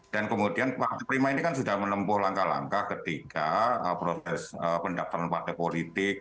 dan kemudian partai prima ini kan sudah menempuh langkah langkah ketika proses pendaftaran partai politik